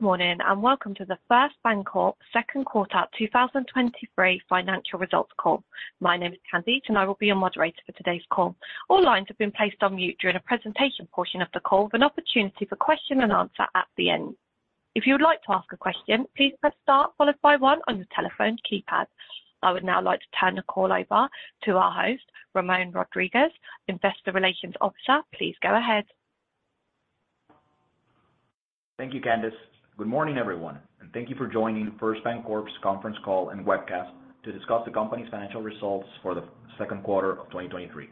Good morning, and welcome to the First BanCorp Second Quarter 2023 Financial Results Call. My name is Candice, and I will be your moderator for today's call. All lines have been placed on mute during the presentation portion of the call, with an opportunity for question and answer at the end. If you would like to ask a question, please press star followed by one on your telephone keypad. I would now like to turn the call over to our host, Ramón Rodríguez, Investor Relations Officer. Please go ahead. Thank you, Candice. Good morning, everyone, thank you for joining First BanCorp's conference call and webcast to discuss the company's financial results for the second quarter of 2023.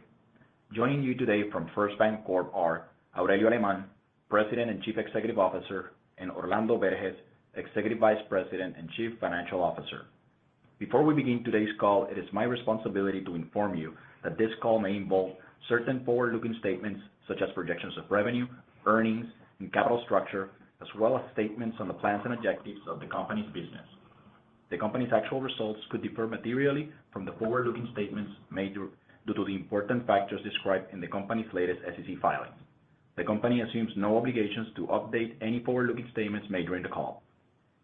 Joining you today from First BanCorp are Aurelio Alemán, President and Chief Executive Officer, and Orlando Berges, Executive Vice President and Chief Financial Officer. Before we begin today's call, it is my responsibility to inform you that this call may involve certain forward-looking statements, such as projections of revenue, earnings, and capital structure, as well as statements on the plans and objectives of the company's business. The company's actual results could differ materially from the forward-looking statements made due to the important factors described in the company's latest SEC filing. The company assumes no obligations to update any forward-looking statements made during the call.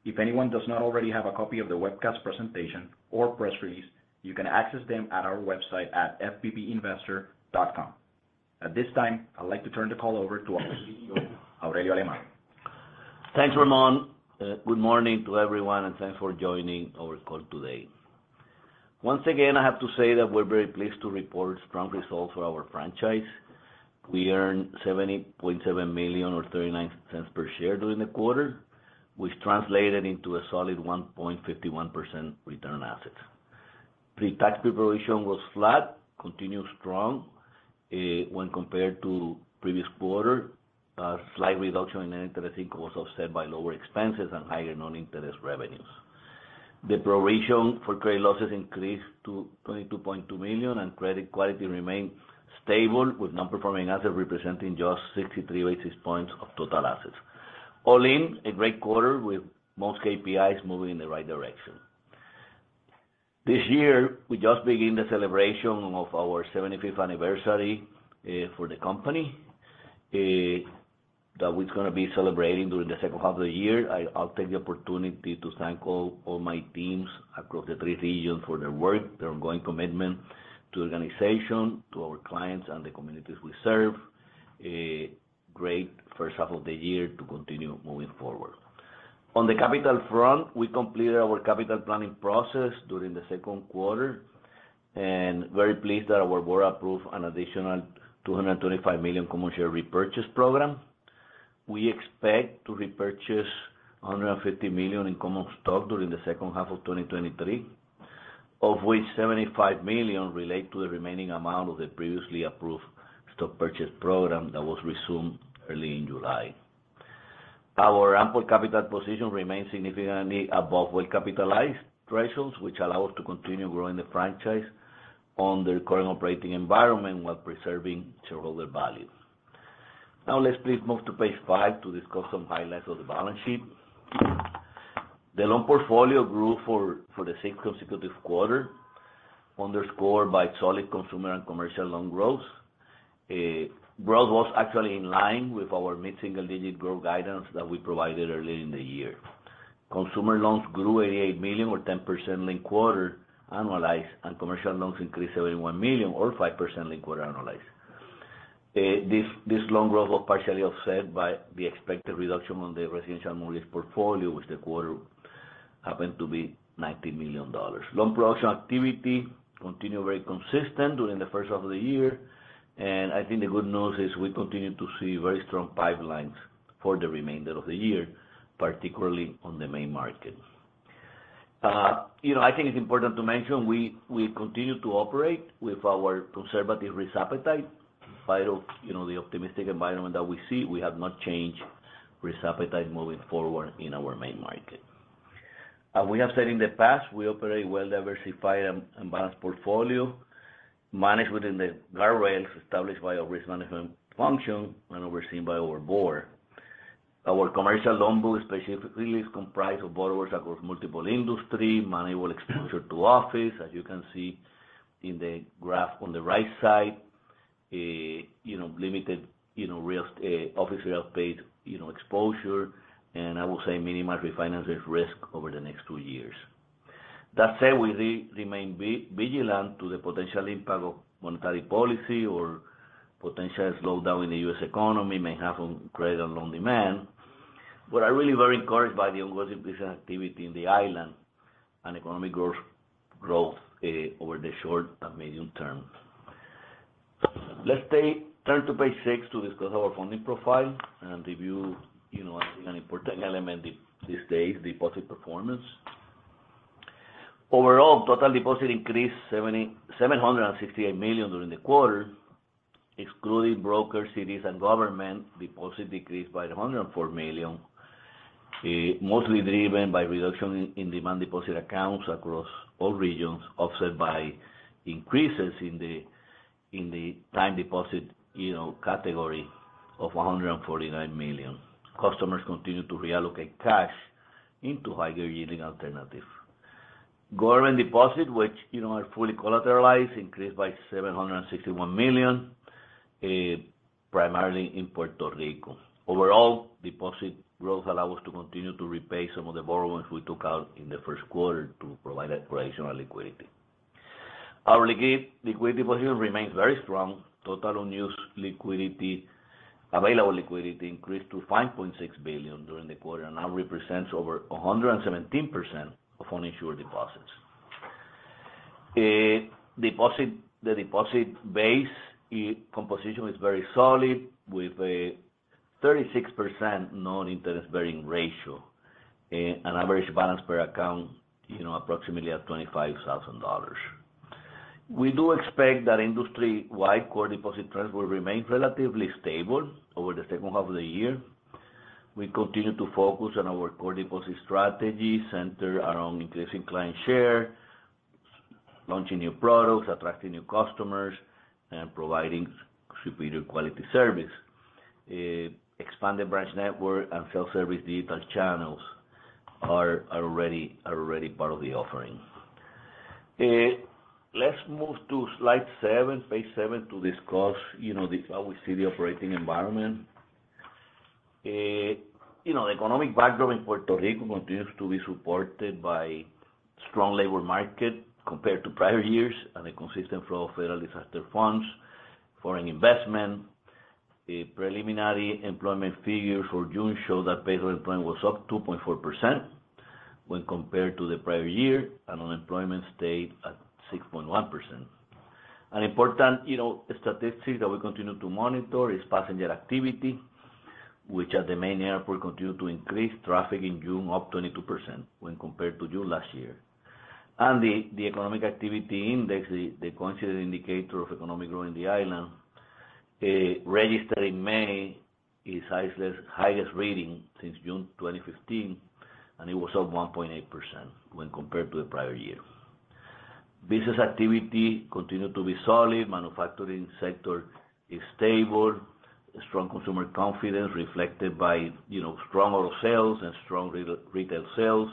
If anyone does not already have a copy of the webcast presentation or press release, you can access them at our website at fbpinvestor.com. At this time, I'd like to turn the call over to our CEO, Aurelio Alemán. Thanks, Ramón. Good morning to everyone, and thanks for joining our call today. Once again, I have to say that we're very pleased to report strong results for our franchise. We earned $70.7 million or $0.39 per share during the quarter, which translated into a solid 1.51% return on assets. Pre-tax pre-provision was flat, continued strong, when compared to previous quarter. A slight reduction in net interest income was offset by lower expenses and higher non-interest revenues. The provision for credit losses increased to $22.2 million, credit quality remained stable, with non-performing assets representing just 63 basis points of total assets. All in, a great quarter with most KPIs moving in the right direction. This year, we just began the celebration of our 75th anniversary for the company that we're gonna be celebrating during the second half of the year. I'll take the opportunity to thank all my teams across the three regions for their work, their ongoing commitment to organization, to our clients and the communities we serve. A great first half of the year to continue moving forward. On the capital front, we completed our capital planning process during the second quarter, and very pleased that our board approved an additional $225 million common share repurchase program. We expect to repurchase $150 million in common stock during the second half of 2023, of which $75 million relate to the remaining amount of the previously approved stock purchase program that was resumed early in July. Our ample capital position remains significantly above well-capitalized thresholds, which allow us to continue growing the franchise on the current operating environment while preserving shareholder value. Let's please move to page five to discuss some highlights of the balance sheet. The loan portfolio grew for the sixth consecutive quarter, underscored by solid consumer and commercial loan growth. Growth was actually in line with our mid-single-digit growth guidance that we provided earlier in the year. Consumer loans grew $88 million or 10% linked quarter annualized, and commercial loans increased $71 million or 5% linked quarter annualized. This loan growth was partially offset by the expected reduction on the residential mortgage portfolio, which the quarter happened to be $90 million. Loan production activity continued very consistent during the first half of the year. I think the good news is we continue to see very strong pipelines for the remainder of the year, particularly on the main market. You know, I think it's important to mention, we continue to operate with our conservative risk appetite. Despite of, you know, the optimistic environment that we see, we have not changed risk appetite moving forward in our main market. As we have said in the past, we operate a well-diversified and balanced portfolio managed within the guardrails established by our risk management function and overseen by our board. Our commercial loan book specifically is comprised of borrowers across multiple industry, manageable exposure to office, as you can see in the graph on the right side. You know, limited, you know, real, office real estate, you know, exposure, and I will say minimal refinancing risk over the next two years. That said, we remain vigilant to the potential impact of monetary policy or potential slowdown in the U.S. economy may have on credit and loan demand. I'm really very encouraged by the ongoing business activity in the island and economic growth over the short and medium term. Let's turn to page six to discuss our funding profile and review, you know, I think an important element these days, deposit performance. Overall, total deposit increased $768 million during the quarter. Excluding brokers, CDs and government, deposits decreased by $104 million, mostly driven by reduction in demand deposit accounts across all regions, offset by increases in the, in the time deposit, you know, category of $149 million. Customers continue to reallocate cash into higher-yielding alternative. Government deposit, which, you know, are fully collateralized, increased by $761 million, primarily in Puerto Rico. Overall, deposit growth allow us to continue to repay some of the borrowings we took out in the first quarter to provide additional liquidity. Our liquidity position remains very strong. Total unused liquidity, available liquidity increased to $5.6 billion during the quarter, and now represents over 117% of uninsured deposits. Deposit, the deposit base, composition is very solid, with a 36% non-interest bearing ratio, an average balance per account, you know, approximately at $25,000. We do expect that industry-wide core deposit trends will remain relatively stable over the second half of the year. We continue to focus on our core deposit strategy, centered around increasing client share, launching new products, attracting new customers, and providing superior quality service. Expanded branch network and self-service digital channels are already part of the offering. Let's move to slide seven, page seven, to discuss, you know, how we see the operating environment. You know, the economic background in Puerto Rico continues to be supported by strong labor market compared to prior years, and a consistent flow of federal disaster funds, foreign investment. The preliminary employment figures for June show that payroll employment was up 2.4% when compared to the prior year. Unemployment stayed at 6.1%. An important, you know, statistic that we continue to monitor is passenger activity, which at the main airport, continued to increase traffic in June, up 22% when compared to June last year. The Economic Activity Index, the coincident indicator of economic growth in the island, registered in May, its highest reading since June 2015, and it was up 1.8% when compared to the prior year. Business activity continued to be solid. Manufacturing sector is stable. Strong consumer confidence reflected by, you know, strong auto sales and strong retail sales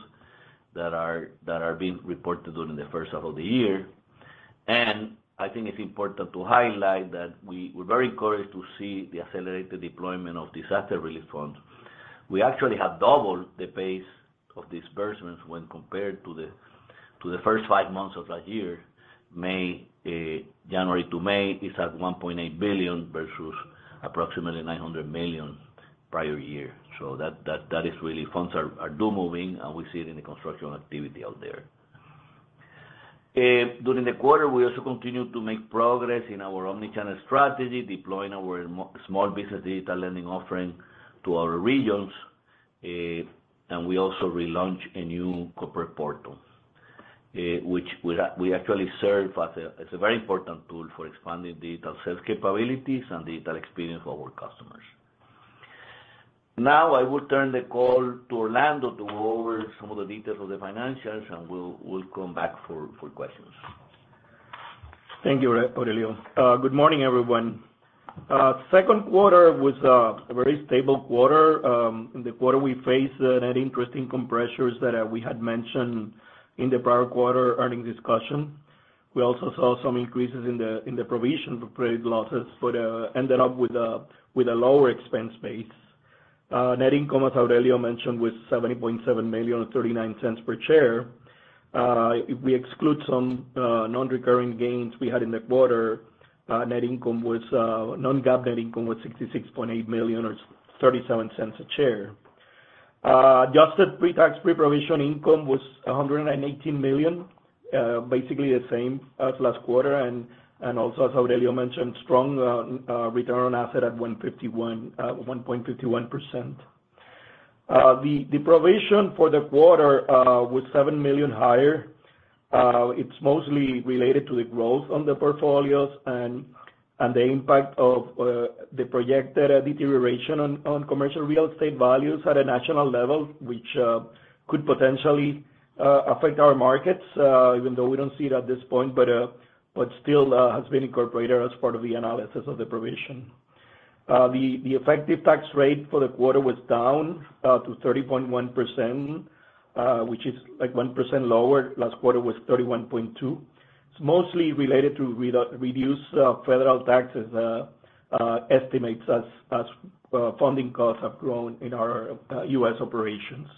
that are being reported during the first half of the year. I think it's important to highlight that we're very encouraged to see the accelerated deployment of disaster relief funds. We actually have doubled the pace of disbursements when compared to the first five months of last year. May, January to May is at $1.8 billion, versus approximately $900 million prior year. That is really, funds are do moving, and we see it in the construction activity out there. During the quarter, we also continued to make progress in our omni-channel strategy, deploying our small business data lending offering to our regions, and we also relaunched a new corporate portal, which we actually serve as a very important tool for expanding digital sales capabilities and digital experience for our customers. I will turn the call to Orlando to go over some of the details of the financials, and we'll come back for questions. Thank you, Aurelio. Good morning, everyone. Second quarter was a very stable quarter. In the quarter, we faced net interest income pressures that we had mentioned in the prior quarter earnings discussion. We also saw some increases in the provision for credit losses, but ended up with a lower expense base. Net income, as Aurelio mentioned, was $70.7 million or $0.39 per share. If we exclude some non-recurring gains we had in the quarter, non-GAAP net income was $66.8 million or $0.37 a share. Adjusted pre-tax, pre-provision income was $118 million, basically the same as last quarter, and also, as Aurelio mentioned, strong return on asset at 1.51%. The provision for the quarter was $7 million higher. It's mostly related to the growth on the portfolios and the impact of the projected deterioration on commercial real estate values at a national level, which could potentially affect our markets, even though we don't see it at this point, but still, has been incorporated as part of the analysis of the provision. The effective tax rate for the quarter was down to 30.1%, which is, like, 1% lower. Last quarter was 31.2%. It's mostly related to reduced federal taxes estimates as funding costs have grown in our U.S. operations.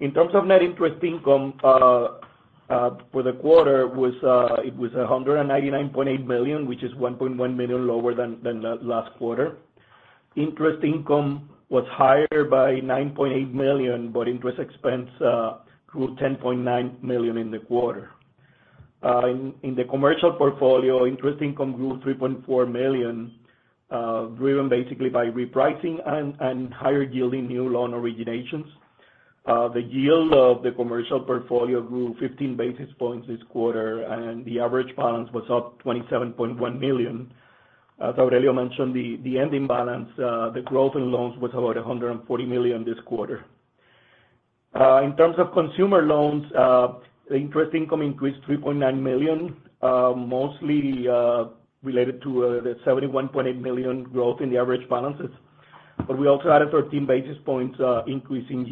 In terms of net interest income for the quarter was, it was $199.8 million, which is $1.1 million lower than last quarter. Interest income was higher by $9.8 million, but interest expense grew $10.9 million in the quarter. In the commercial portfolio, interest income grew $3.4 million, driven basically by repricing and higher yielding new loan originations. The yield of the commercial portfolio grew 15 basis points this quarter, and the average balance was up $27.1 million. As Aurelio mentioned, the ending balance, the growth in loans was about $140 million this quarter. In terms of consumer loans, interest income increased $3.9 million, mostly related to the $71.8 million growth in the average balances, but we also added 13 basis points increasing.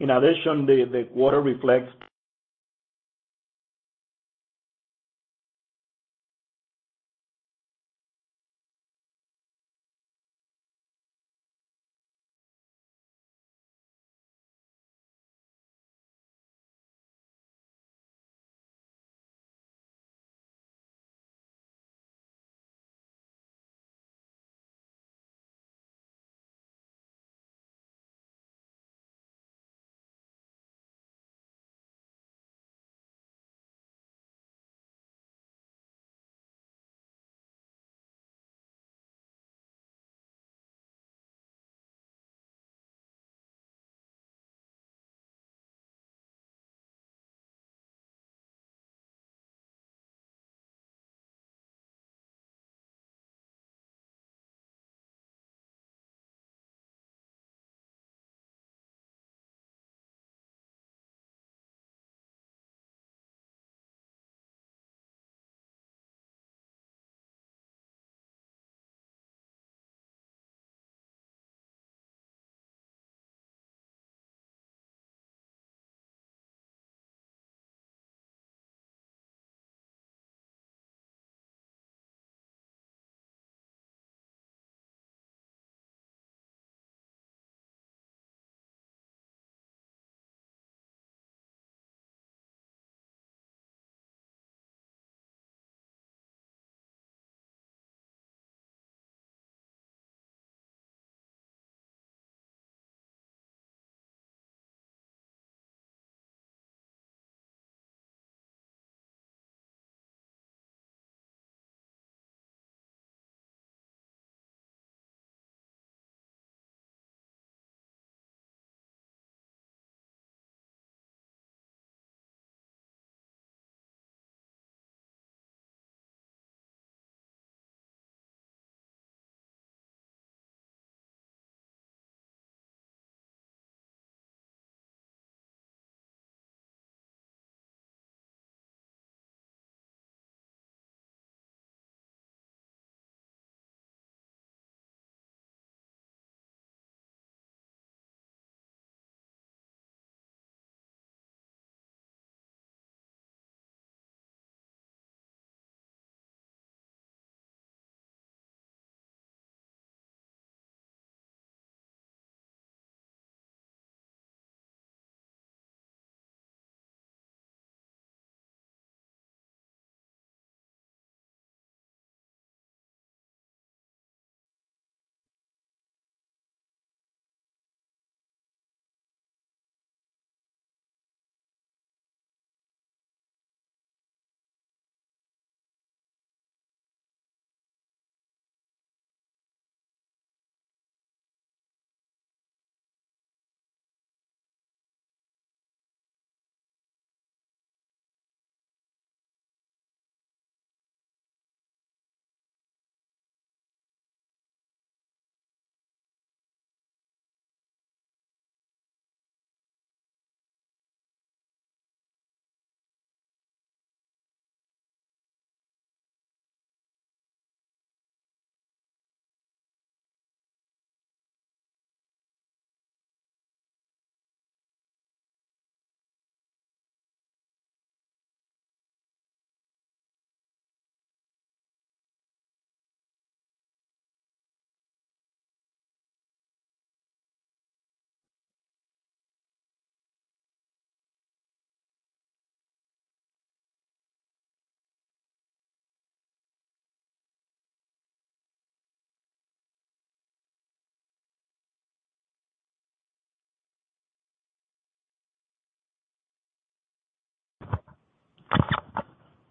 In addition, the quarter reflects.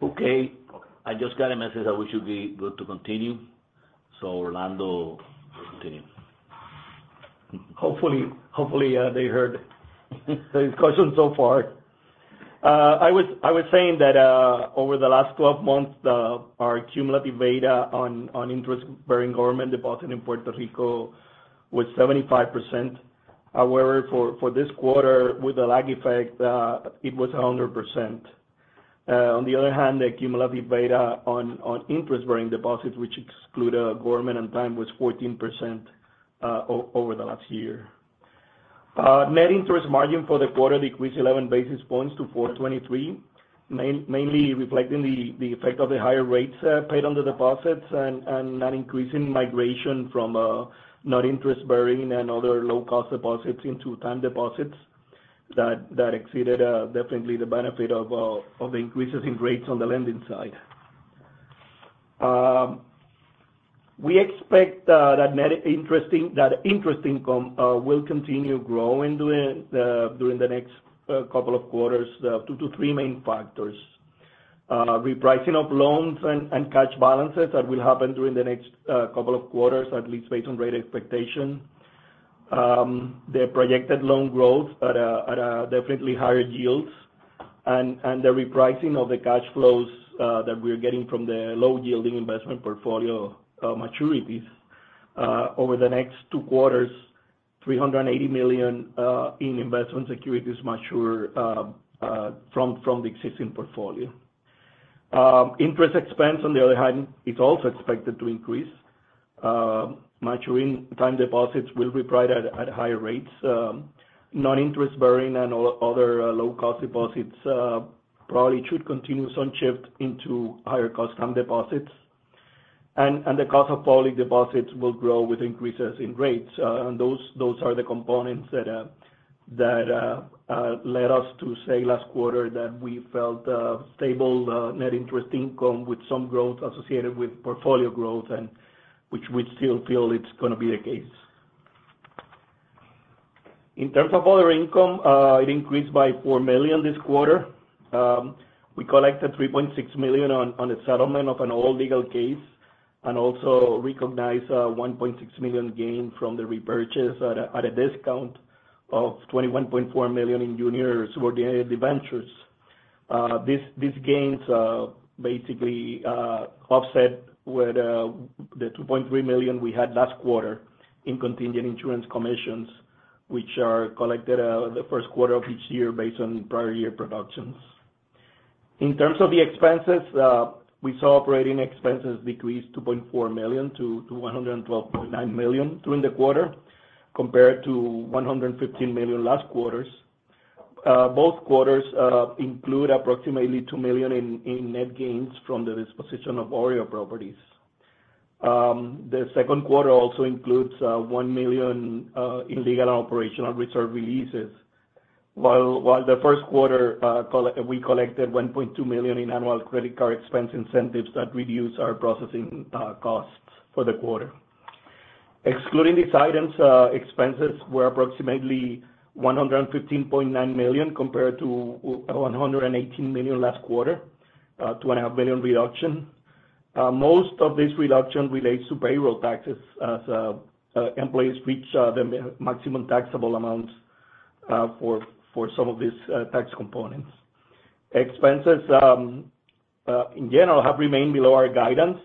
Okay, I just got a message that we should be good to continue. Orlando, continue. Hopefully, they heard the question so far. I was saying that over the last 12 months, our cumulative beta on interest-bearing government deposits in Puerto Rico was 75%. However, for this quarter, with the lag effect, it was 100%. On the other hand, the cumulative beta on interest-bearing deposits, which exclude government and time, was 14% over the last year. Net interest margin for the quarter decreased 11 basis points to 4.23, mainly reflecting the effect of the higher rates paid on the deposits and not increasing migration from non interest-bearing and other low-cost deposits into time deposits, that exceeded definitely the benefit of increases in rates on the lending side. We expect that interest income will continue growing during the next couple of quarters. There are two to three main factors. Repricing of loans and cash balances, that will happen during the next two quarters, at least based on rate expectation. The projected loan growth at a definitely higher yields, and the repricing of the cash flows that we're getting from the low-yielding investment portfolio maturities. Over the next two quarters, $380 million in investment securities mature from the existing portfolio. Interest expense, on the other hand, is also expected to increase. Maturing time deposits will reprice at higher rates. Non-interest bearing and all other low-cost deposits, probably should continue some shift into higher cost term deposits. The cost of falling deposits will grow with increases in rates. Those are the components that led us to say last quarter that we felt stable net interest income, with some growth associated with portfolio growth, and which we still feel it's gonna be the case. In terms of other income, it increased by $4 million this quarter. We collected $3.6 million on the settlement of an old legal case, and also recognized $1.6 million gain from the repurchase at a discount of $21.4 million in junior subordinated debentures. These gains basically offset with the $2.3 million we had last quarter in contingent insurance commissions, which are collected the first quarter of each year based on prior year productions. In terms of the expenses, we saw operating expenses decrease $2.4 million to $112.9 million during the quarter, compared to $115 million last quarters. Both quarters include approximately $2 million in net gains from the disposition of OREO properties. The second quarter also includes $1 million in legal and operational reserve releases, while the first quarter we collected $1.2 million in annual credit card expense incentives that reduced our processing costs for the quarter. Excluding these items, expenses were approximately $115.9 million, compared to $118 million last quarter, a $2.5 million reduction. Most of this reduction relates to payroll taxes, as employees reach the maximum taxable amounts, for some of these tax components. Expenses, in general, have remained below our guidance,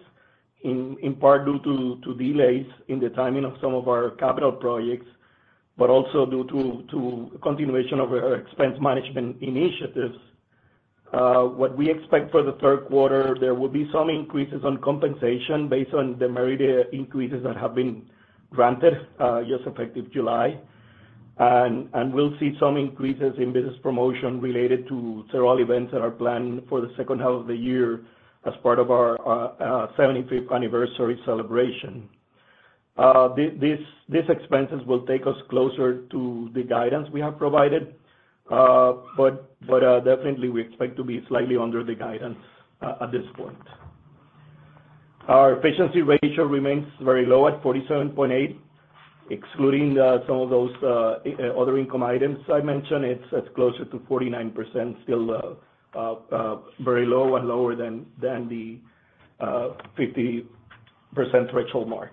in part due to delays in the timing of some of our capital projects, but also due to continuation of our expense management initiatives. What we expect for the third quarter, there will be some increases on compensation based on the merit increases that have been granted, just effective July. We'll see some increases in business promotion related to several events that are planned for the second half of the year as part of our 75th anniversary celebration. These expenses will take us closer to the guidance we have provided, but definitely, we expect to be slightly under the guidance at this point. Our efficiency ratio remains very low at 47.8. Excluding some of those other income items I mentioned, it's closer to 49%, still very low and lower than the 50% threshold mark.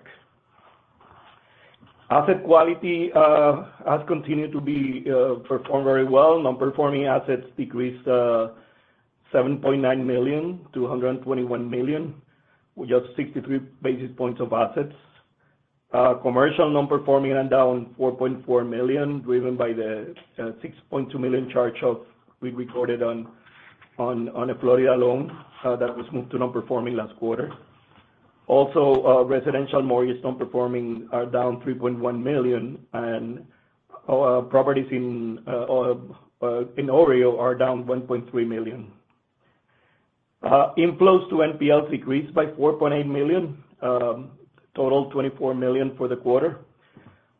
Asset quality has continued to perform very well. Non-performing assets decreased $7.9 million-$121 million, which is 63 basis points of assets. Commercial non-performing are down $4.4 million, driven by the $6.2 million charge-off we recorded on a Florida loan that was moved to non-performing last quarter. Residential mortgage non-performing are down $3.1 million, and properties in OREO are down $1.3 million. Inflows to NPL decreased by $4.8 million, total $24 million for the quarter,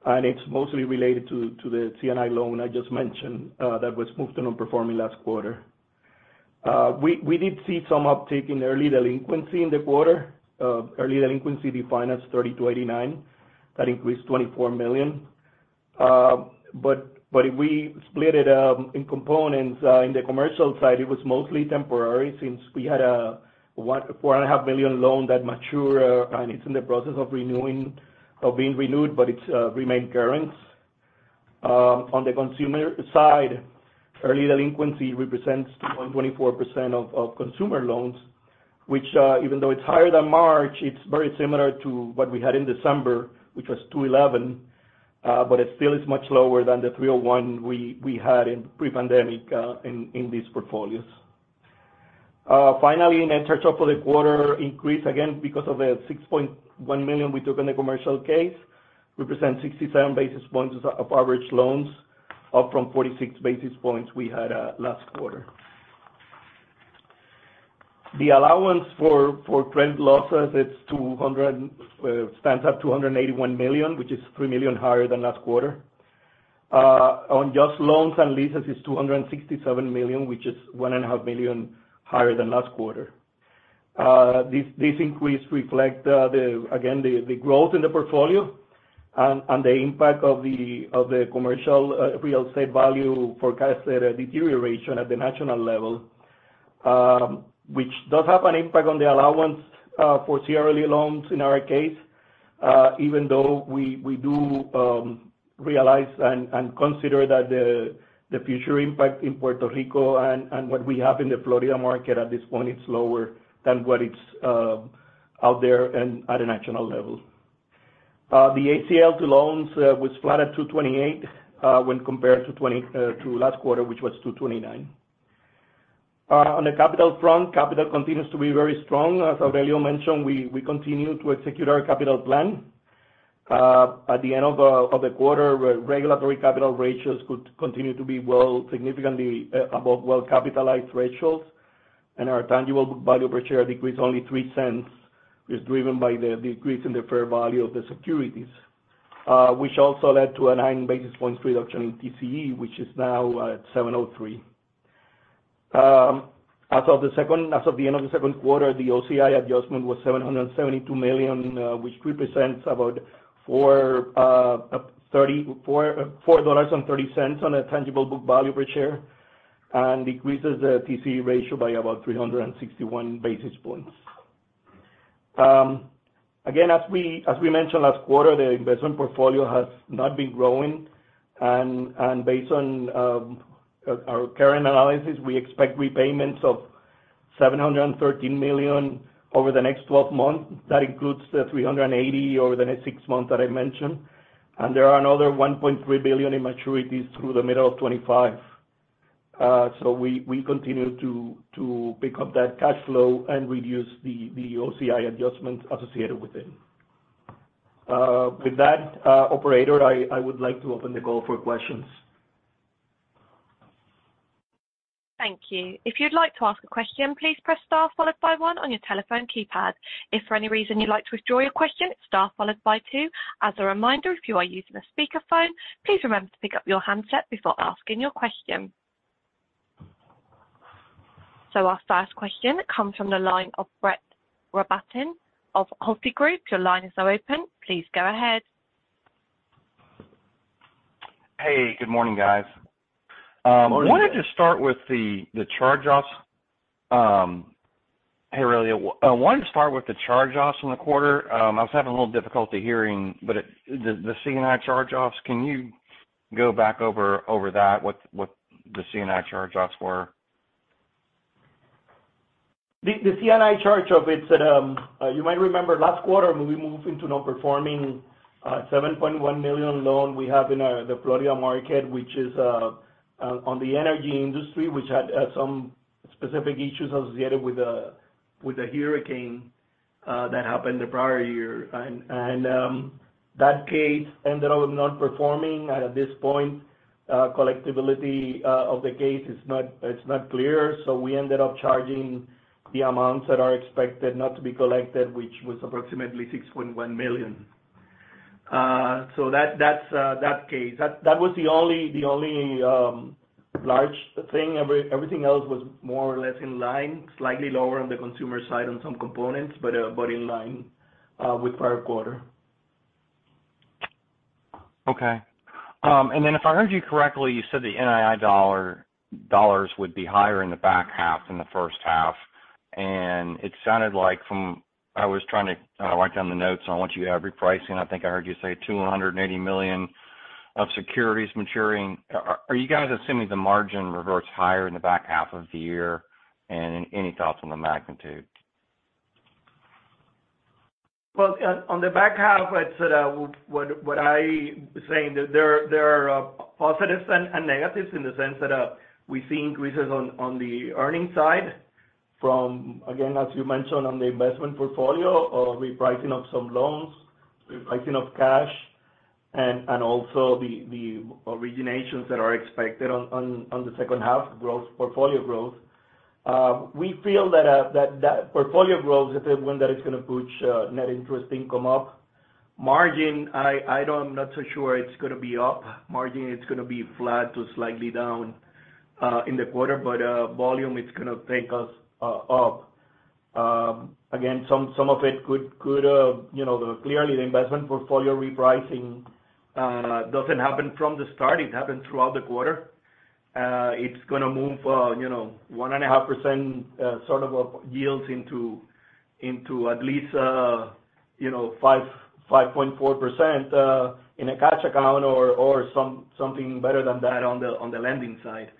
and it's mostly related to the C&I loan I just mentioned that was moved to non-performing last quarter. We did see some uptick in early delinquency in the quarter. Early delinquency defined as 30-89. That increased $24 million. If we split it in components, in the commercial side, it was mostly temporary, since we had a $4.5 million loan that matured, and it's in the process of renewing, of being renewed, but it's remained current. On the consumer side, early delinquency represents 2.24% of consumer loans, which, even though it's higher than March, it's very similar to what we had in December, which was 2.11%, but it still is much lower than the 3.01% we had in pre-pandemic in these portfolios. Net charge-off for the quarter increased again because of the $6.1 million we took in the commercial case, represent 67 basis points of average loans, up from 46 basis points we had last quarter. The allowance for credit losses stands at $281 million, which is $3 million higher than last quarter. On just loans and leases, it's $267 million, which is one and a half million higher than last quarter. This increase reflect again the growth in the portfolio and the impact of the commercial real estate value forecasted deterioration at the national level, which does have an impact on the allowance for CRE loans in our case, even though we do realize and consider that the future impact in Puerto Rico and what we have in the Florida market at this point is lower than what it's out there and at a national level. The ACL to loans was flat at 2.28 when compared to last quarter, which was 2.29. On the capital front, capital continues to be very strong. As Aurelio mentioned, we continue to execute our capital plan. At the end of the quarter, regulatory capital ratios could continue to be well, significantly, above well-capitalized ratios, and our tangible book value per share decreased only $0.03, is driven by the decrease in the fair value of the securities, which also led to a 9 basis points reduction in TCE, which is now at 7.03. As of the end of the second quarter, the OCI adjustment was $772 million, which represents about $4.30 on a tangible book value per share, and decreases the TCE ratio by about 361 basis points. As we mentioned last quarter, the investment portfolio has not been growing, and based on our current analysis, we expect repayments of $713 million over the next 12 months. That includes the $380 million over the next 6 months that I mentioned, and there are another $1.3 billion in maturities through the middle of 2025. We continue to pick up that cash flow and reduce the OCI adjustments associated with it. With that, operator, I would like to open the call for questions. Thank you. If you'd like to ask a question, please press star followed by one on your telephone keypad. If for any reason you'd like to withdraw your question, star followed by two. As a reminder, if you are using a speakerphone, please remember to pick up your handset before asking your question. Our first question comes from the line of Brett Rabatin of Hovde Group. Your line is now open. Please go ahead. Hey, good morning, guys. Morning. Wanted to start with the charge-offs. Hey, Aurelio, I wanted to start with the charge-offs in the quarter. I was having a little difficulty hearing, but the C&I charge-offs, can you go back over that, what the C&I charge-offs were? The C&I charge-off, it's, you might remember last quarter, we moved into non-performing $7.1 million loan we have in the Florida market, which is on the energy industry, which had some specific issues associated with a hurricane that happened the prior year. That case ended up not performing. At this point, collectibility of the case is not clear, so we ended up charging the amounts that are expected not to be collected, which was approximately $6.1 million. So that's that case. That was the only large thing. Everything else was more or less in line, slightly lower on the consumer side on some components, but in line with prior quarter. Okay. Then if I heard you correctly, you said the NII dollars would be higher in the back half than the first half. It sounded like I wrote down the notes on what you have repricing. I think I heard you say $280 million of securities maturing. Are you guys assuming the margin reverts higher in the back half of the year, and any thoughts on the magnitude? Well, on the back half, I'd said what I saying, that there are positives and negatives in the sense that we see increases on the earnings side from, again, as you mentioned, on the investment portfolio of repricing of some loans, repricing of cash, and also the originations that are expected on the second half growth, portfolio growth. We feel that that portfolio growth is the one that is gonna push net interest income up. Margin, I don't, not so sure it's gonna be up. Margin, it's gonna be flat to slightly down in the quarter, but volume, it's gonna take us up. Again, some of it could, you know, clearly, the investment portfolio repricing, doesn't happen from the start. It happened throughout the quarter. It's gonna move, you know, 1.5%, sort of yields into at least, you know, 5.4%, in a cash account or, something better than that on the lending side.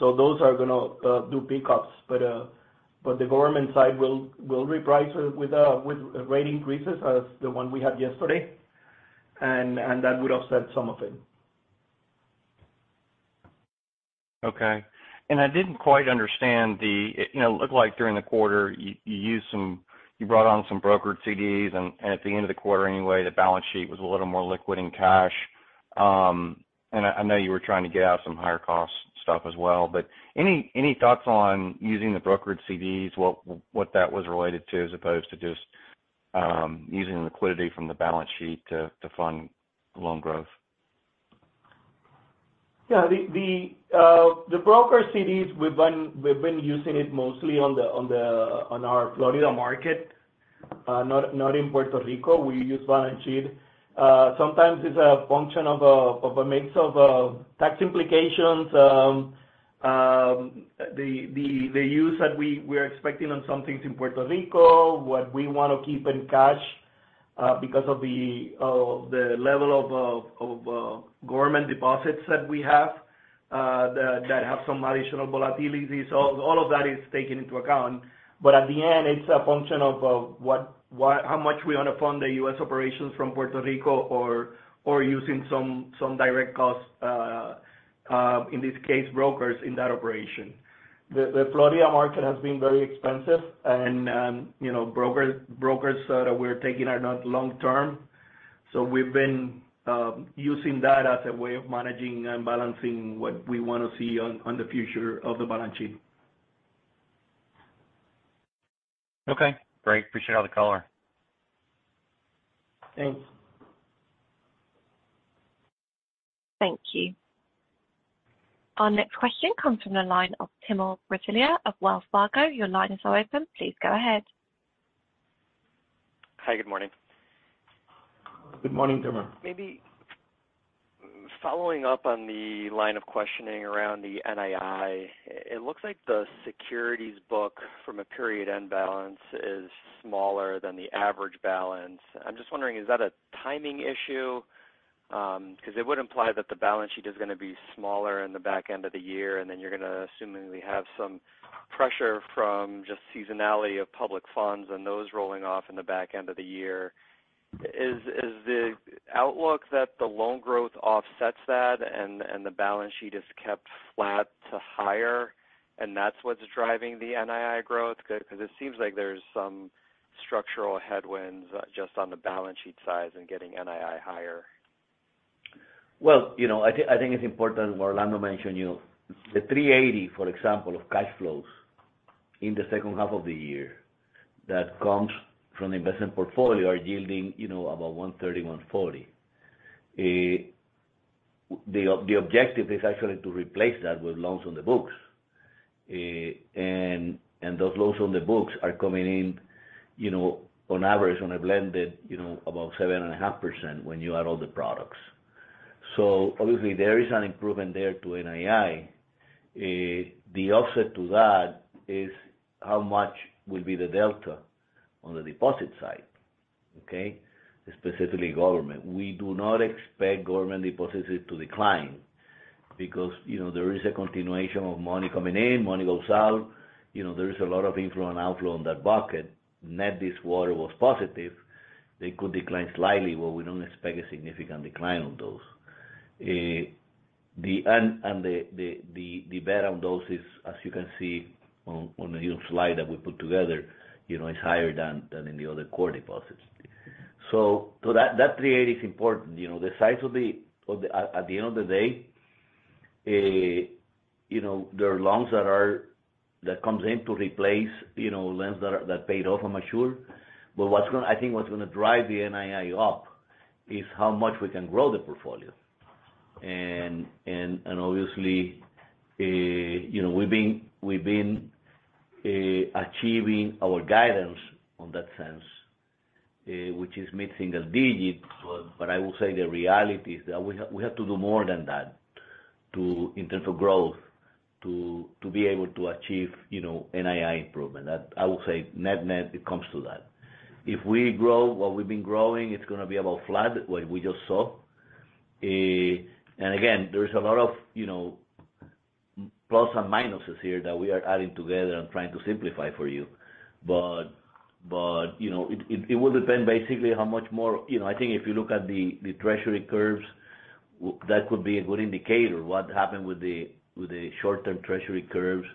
Those are gonna, do pick-ups. The government side will reprice with rate increases as the one we had yesterday, and, that would offset some of it. Okay. I didn't quite understand you know, it looked like during the quarter, you brought on some brokered CDs, at the end of the quarter anyway, the balance sheet was a little more liquid in cash. I know you were trying to get out some higher cost stuff as well, but any thoughts on using the brokered CDs, what that was related to, as opposed to just using the liquidity from the balance sheet to fund the loan growth? Yeah. The broker CDs, we've been using it mostly on our Florida market, not in Puerto Rico. We use balance sheet. Sometimes it's a function of a mix of tax implications, the use that we're expecting on some things in Puerto Rico, what we want to keep in cash, because of the level of government deposits that we have. That have some additional volatility. All of that is taken into account. At the end, it's a function of what, how much we want to fund the U.S. operations from Puerto Rico or using some direct costs, in this case, brokers in that operation. The Florida market has been very expensive, and, you know, brokers that we're taking are not long term. We've been using that as a way of managing and balancing what we want to see on the future of the balance sheet. Okay, great. Appreciate all the color. Thanks. Thank you. Our next question comes from the line of Timur Braziler of Wells Fargo. Your line is now open. Please go ahead. Hi, good morning. Good morning, Timur. Maybe following up on the line of questioning around the NII, it looks like the securities book from a period end balance is smaller than the average balance. I'm just wondering, is that a timing issue? It would imply that the balance sheet is going to be smaller in the back end of the year, and then you're going to assume that we have some pressure from just seasonality of public funds and those rolling off in the back end of the year. Is the outlook that the loan growth offsets that and the balance sheet is kept flat to higher, and that's what's driving the NII growth? It seems like there's some structural headwinds just on the balance sheet size and getting NII higher. Well, you know, I think it's important what Orlando mentioned, you know, the $380, for example, of cash flows in the second half of the year that comes from the investment portfolio are yielding, you know, about $1.30, $1.40. The objective is actually to replace that with loans on the books. And those loans on the books are coming in, you know, on average, on a blended, you know, about 7.5% when you add all the products. Obviously, there is an improvement there to NII. The offset to that is how much will be the delta on the deposit side, okay? Specifically, government. We do not expect government deposits to decline because, you know, there is a continuation of money coming in, money goes out. You know, there is a lot of inflow and outflow in that bucket. Net, this water was positive. We don't expect a significant decline on those. And the bet on those is, as you can see on the slide that we put together, you know, it's higher than in the other core deposits. That create is important, you know, the size of the. At the end of the day, you know, there are loans that comes in to replace, you know, loans that paid off and mature. I think what's going to drive the NII up is how much we can grow the portfolio. Obviously, you know, we've been achieving our guidance on that sense, which is mid-single digits. I will say the reality is that we have to do more than that to, in terms of growth, to be able to achieve, you know, NII improvement. That I would say net-net, it comes to that. If we grow what we've been growing, it's going to be about flat, what we just saw. again, there is a lot of, you know, plus and minuses here that we are adding together and trying to simplify for you. you know, it will depend basically how much more... You know, I think if you look at the, the treasury curves, that could be a good indicator. What happened with the short-term treasury curves,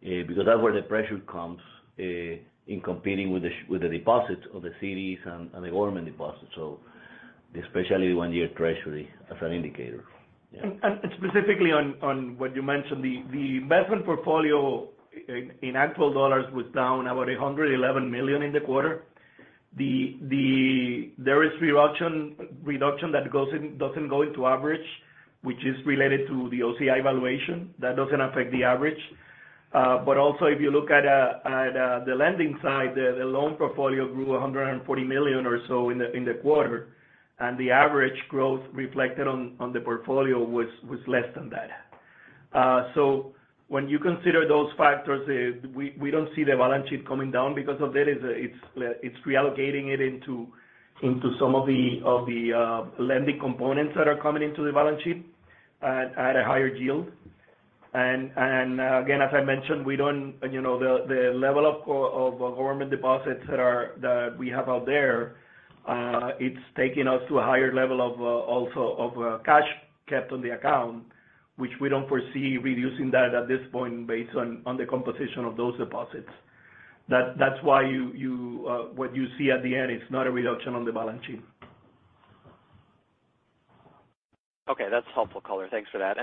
because that's where the pressure comes, in competing with the deposits of the CDs and the government deposits. Especially one-year treasury as an indicator. Yeah. Specifically on, on what you mentioned, the investment portfolio in, in actual dollars was down about $111 million in the quarter. There is reduction that doesn't go into average, which is related to the OCI valuation. That doesn't affect the average. But also, if you look at the lending side, the loan portfolio grew $140 million or so in the quarter, and the average growth reflected on the portfolio was less than that. When you consider those factors, we don't see the balance sheet coming down because of that. It's reallocating it into some of the lending components that are coming into the balance sheet at a higher yield. Again, as I mentioned, we don't, you know, the level of government deposits that we have out there, it's taking us to a higher level of also of cash kept on the account, which we don't foresee reducing that at this point based on the composition of those deposits. That's why you what you see at the end is not a reduction on the balance sheet. Okay, that's helpful color. Thanks for that.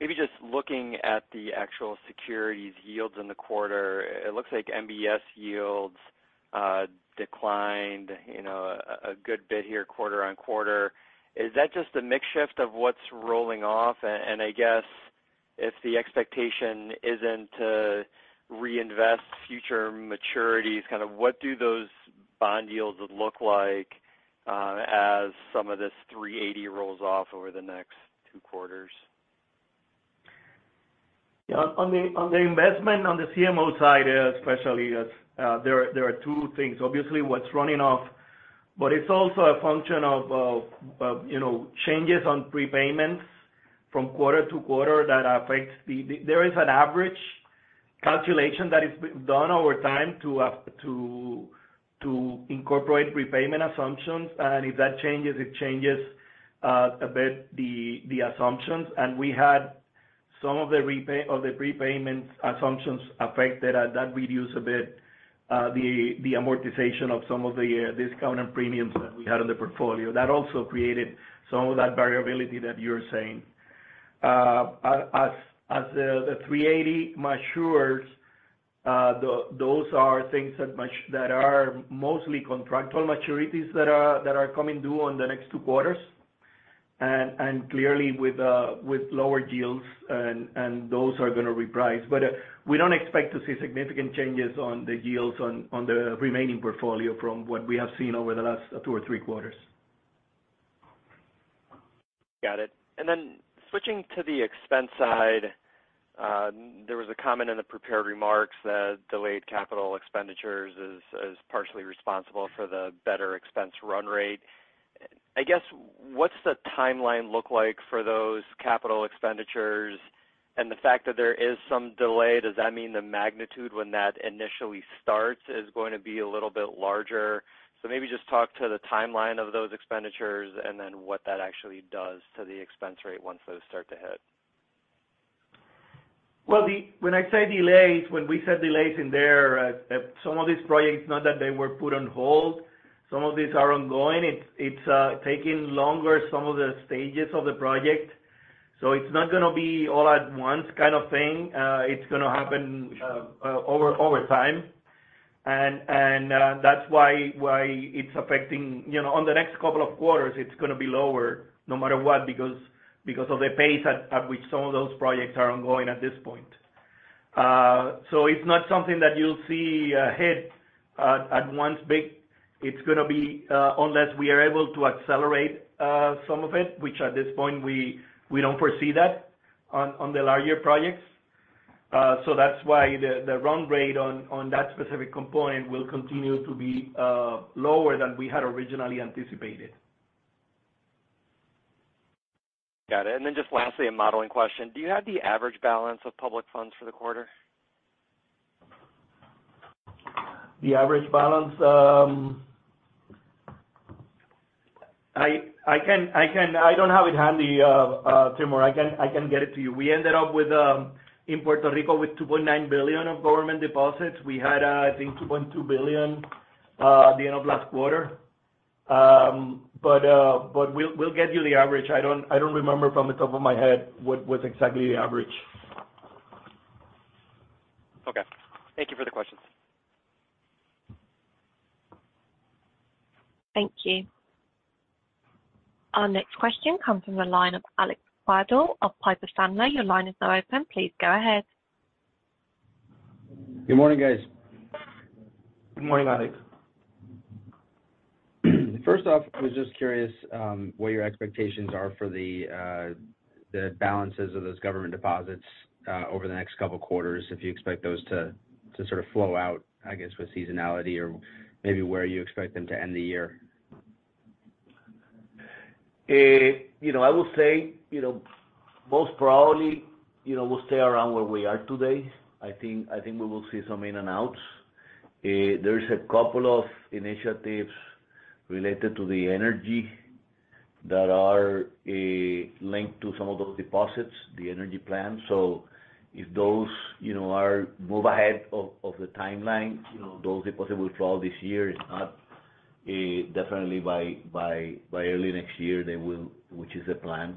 Maybe just looking at the actual securities yields in the quarter, it looks like MBS yields declined, you know, a good bit here quarter-on-quarter. Is that just a mix shift of what's rolling off? I guess if the expectation isn't to reinvest future maturities, kind of what do those bond yields look like as some of this 380 rolls off over the next two quarters? Yeah, on the investment, on the CMO side, especially, there are two things. Obviously, what's running off, but it's also a function of, you know, changes on prepayments from quarter to quarter that affects there is an average calculation that is done over time to incorporate prepayment assumptions, and if that changes, it changes a bit the assumptions. We had some of the prepayment assumptions affected that reduced a bit the amortization of some of the discount and premiums that we had in the portfolio. That also created some of that variability that you're saying. As the 380 matures, those are things that are mostly contractual maturities that are coming due on the next two quarters. Clearly, with lower yields, and those are going to reprice. We don't expect to see significant changes on the yields on the remaining portfolio from what we have seen over the last two or three quarters. Got it. Switching to the expense side, there was a comment in the prepared remarks that delayed capital expenditures is partially responsible for the better expense run rate. I guess, what's the timeline look like for those capital expenditures? The fact that there is some delay, does that mean the magnitude when that initially starts is going to be a little bit larger? Maybe just talk to the timeline of those expenditures and then what that actually does to the expense rate once those start to hit. Well, when I say delays, when we said delays in there, some of these projects, not that they were put on hold, some of these are ongoing. It's taking longer, some of the stages of the project. It's not going to be all at once kind of thing, it's going to happen over time. That's why it's affecting. You know, on the next couple of quarters, it's going to be lower no matter what, because of the pace at which some of those projects are ongoing at this point. It's not something that you'll see hit at once big. It's going to be unless we are able to accelerate some of it, which at this point, we don't foresee that on the larger projects. That's why the run rate on that specific component will continue to be lower than we had originally anticipated. Got it. Just lastly, a modeling question: Do you have the average balance of public funds for the quarter? The average balance, I don't have it handy, Timur. I can get it to you. We ended up with in Puerto Rico, with $2.9 billion of government deposits. We had, I think, $2.2 billion at the end of last quarter. We'll get you the average. I don't remember from the top of my head what was exactly the average. Okay. Thank you for the questions. Thank you. Our next question comes from the line of Alex Twerdahl of Piper Sandler. Your line is now open. Please go ahead. Good morning, guys. Good morning, Alex. First off, I was just curious, what your expectations are for the, the balances of those government deposits, over the next couple quarters, if you expect those to sort of flow out, I guess, with seasonality, or maybe where you expect them to end the year? You know, I will say, you know, most probably, you know, we'll stay around where we are today. I think, I think we will see some in and outs. there is a couple of initiatives related to the energy that are linked to some of those deposits, the energy plan. If those, you know, are move ahead of the timeline, you know, those deposits will fall this year. If not, definitely by early next year, they will, which is the plan.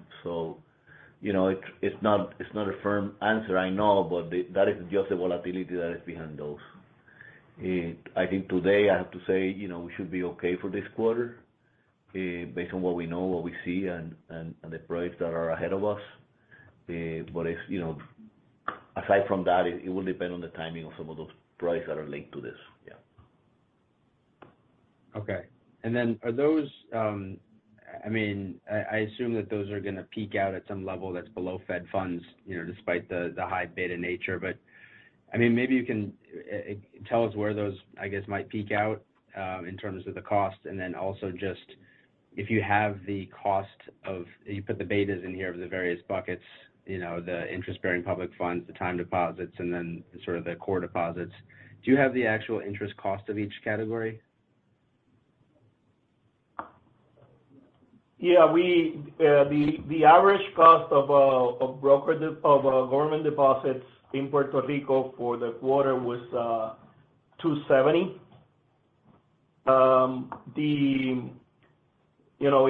you know, it's, it's not, it's not a firm answer, I know, but that is just the volatility that is behind those. I think today, I have to say, you know, we should be okay for this quarter, based on what we know, what we see, and the projects that are ahead of us. It's, you know, aside from that, it will depend on the timing of some of those projects that are linked to this. Yeah. Okay. Are those, I mean, I, I assume that those are going to peak out at some level that's below Fed funds, you know, despite the, the high beta nature. I mean, maybe you can tell us where those, I guess, might peak out in terms of the cost. Also just if you have the cost you put the betas in here of the various buckets, you know, the interest-bearing public funds, the time deposits, and then sort of the core deposits. Do you have the actual interest cost of each category? Yeah, we, the average cost of government deposits in Puerto Rico for the quarter was $2.70. The, you know,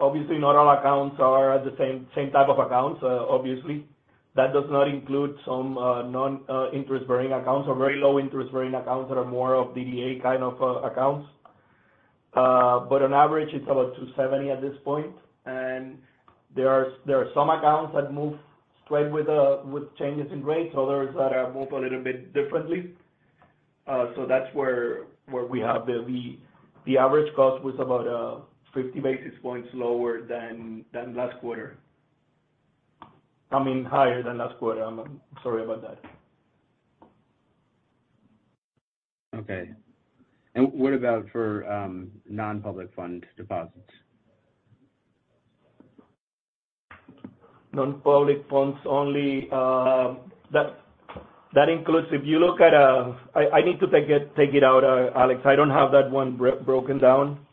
obviously, not all accounts are at the same type of accounts, obviously. That does not include some non interest-bearing accounts or very low interest-bearing accounts that are more of DDA kind of accounts. On average, it's about $2.70 at this point, and there are some accounts that move straight with changes in rates, others that are moved a little bit differently. That's where we have the average cost was about 50 basis points lower than last quarter. I mean, higher than last quarter. I'm sorry about that. Okay. what about for non-public fund deposits? Non-public funds only, if you look at, I need to take it out, Alex. I don't have that one broken down.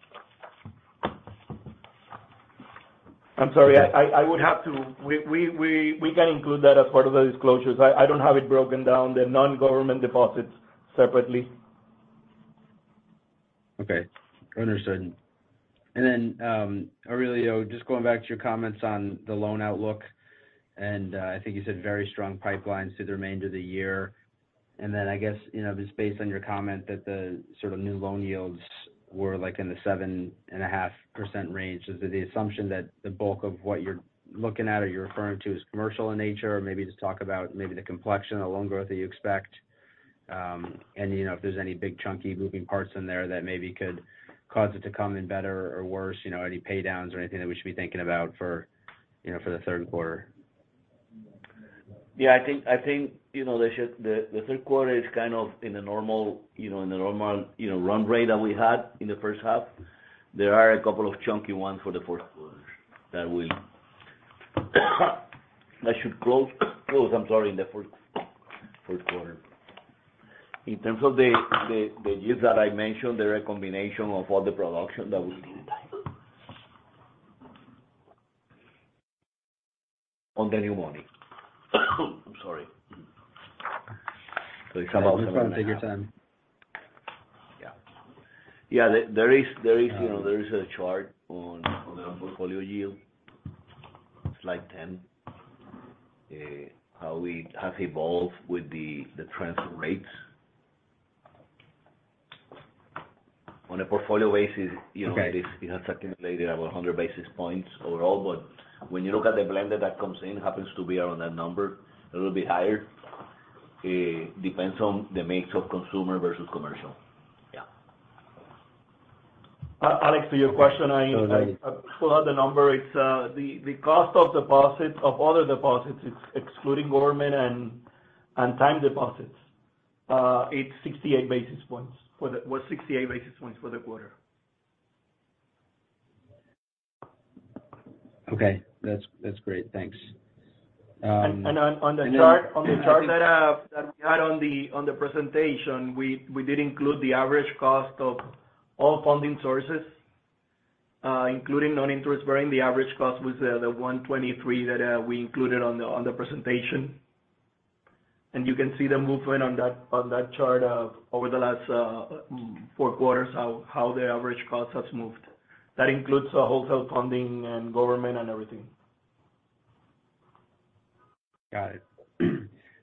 I'm sorry. We can include that as part of the disclosures. I don't have it broken down, the non-government deposits separately. Okay, understood. Aurelio, just going back to your comments on the loan outlook, I think you said very strong pipelines through the remainder of the year. I guess, you know, just based on your comment that the sort of new loan yields were like in the 7.5% range, is it the assumption that the bulk of what you're looking at or you're referring to is commercial in nature? Or maybe just talk about maybe the complexion of loan growth that you expect. You know, if there's any big, chunky moving parts in there that maybe could cause it to come in better or worse, you know, any pay downs or anything that we should be thinking about for, you know, for the third quarter? I think, you know, the, the third quarter is kind of in a normal, you know, in a normal, you know, run rate that we had in the first half. There are a couple of chunky ones for the fourth quarter that will, that should close, I'm sorry, in the fourth quarter. In terms of the, the, the yields that I mentioned, they are a combination of all the production that we see on the new money. I'm sorry. No problem. Take your time. Yeah, there is, you know, there is a chart on, on the portfolio yield, slide 10, how we have evolved with the trends and rates. On a portfolio basis, you know. Okay. It has accumulated about 100 basis points overall, but when you look at the blended that comes in, happens to be around that number, a little bit higher. Depends on the mix of consumer versus commercial. Yeah. Alex, to your question, I pulled out the number. It's the cost of deposits, of all the deposits, it's excluding government and time deposits. It's 68 basis points for the quarter. Okay. That's great. Thanks, On the chart that we had on the presentation, we did include the average cost of all funding sources, including non-interest bearing. The average cost was the 123 that we included on the presentation. You can see the movement on that, on that chart, over the last four quarters, how the average cost has moved. That includes the wholesale funding and government and everything. Got it.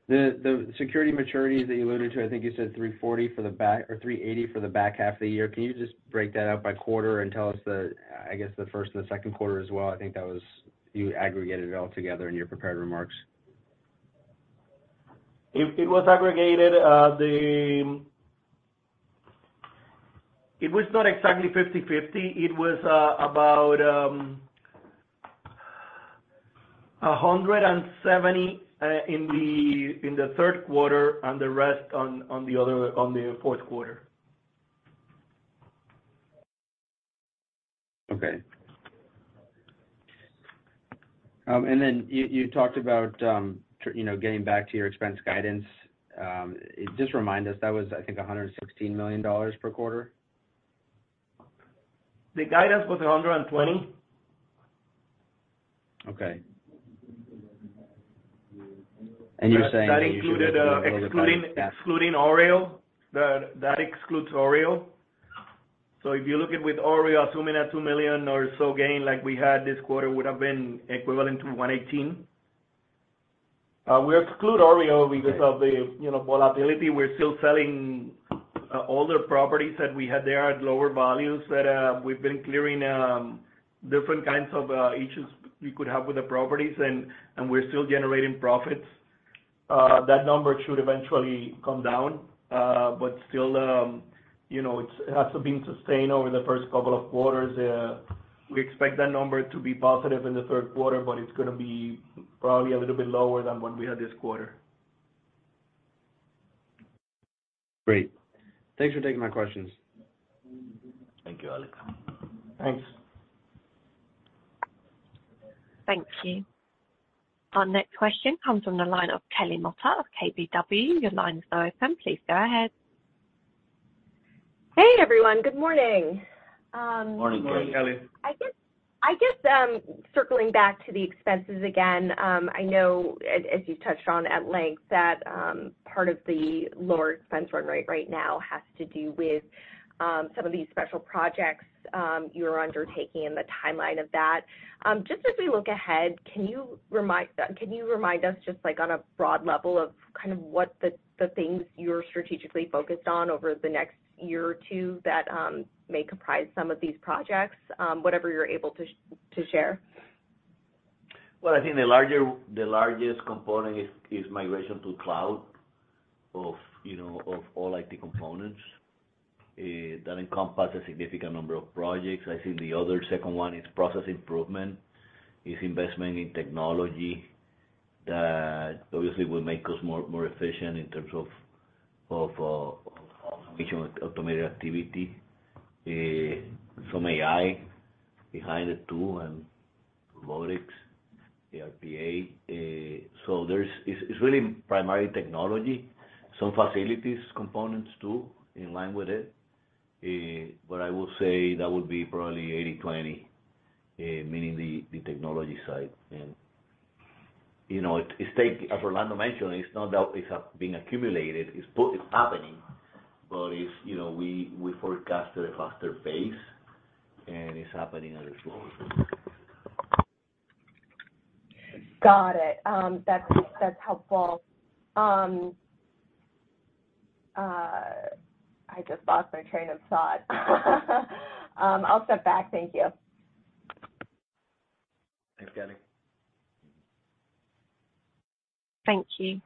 The security maturities that you alluded to, I think you said $340 for the back, or $380 for the back half of the year. Can you just break that out by quarter and tell us the, I guess, the first and the second quarter as well? I think you aggregated it all together in your prepared remarks. It was aggregated. It was not exactly 50/50. It was about 170 in the third quarter and the rest on the other, on the fourth quarter. Okay. Then you talked about, you know, getting back to your expense guidance. Just remind us, that was, I think, $116 million per quarter? The guidance was 120. Okay. You're saying. That included excluding OREO. That excludes OREO. If you look at with OREO, assuming a $2 million or so gain like we had this quarter, would have been equivalent to 118. We exclude OREO because of the, you know, volatility. We're still selling older properties that we had there at lower values that we've been clearing, different kinds of issues we could have with the properties, and we're still generating profits. That number should eventually come down, but still, you know, it's, it has been sustained over the first couple of quarters. We expect that number to be positive in the third quarter, but it's gonna be probably a little bit lower than what we had this quarter. Great. Thanks for taking my questions. Thank you, Alex. Thanks. Thank you. Our next question comes from the line of Kelly Motta of KBW. Your line is now open. Please go ahead. Hey, everyone. Good morning. Morning. Good morning, Kelly. I guess, circling back to the expenses again, I know as you touched on at length, that part of the lower expense run rate right now has to do with some of these special projects you're undertaking and the timeline of that. Just as we look ahead, can you remind us, just, like, on a broad level of kind of what the things you're strategically focused on over the next year or two that may comprise some of these projects, whatever you're able to share? Well, I think the larger, the largest component is, is migration to cloud of, you know, of all IT components. That encompass a significant number of projects. I think the other second one is process improvement, is investment in technology that obviously will make us more, more efficient in terms of, of automated activity, some AI behind the tool and robotics, the RPA. It's really primarily technology, some facilities components too, in line with it. I would say that would be probably 80/20, meaning the technology side. You know, it, it take, as Orlando mentioned, it's not that it's being accumulated, it's happening, but it's, you know, we, we forecast at a faster pace, and it's happening at a slower. Got it. That's helpful. I just lost my train of thought. I'll step back. Thank you. Thanks, Kelly. Thank you.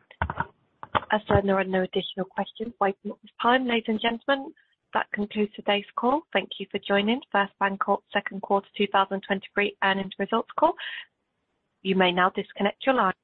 As there are no additional questions at this time, ladies and gentlemen, that concludes today's call. Thank you for joining First BanCorp Second Quarter 2023 Earnings Results Call. You may now disconnect your line.